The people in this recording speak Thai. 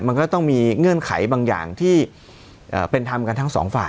มันก็ต้องมีเงื่อนไขบางอย่างที่เป็นธรรมกันทั้งสองฝ่าย